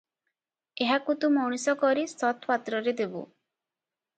ଏହାକୁ ତୁ ମଣିଷ କରି ସତ୍ପାତ୍ରରେ ଦେବୁ ।